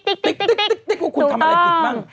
พวกคุณทำอะไรผิดบ้าง